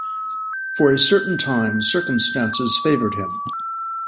For a certain time circumstances favoured him.